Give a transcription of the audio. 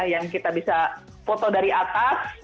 yang kita bisa foto dari atas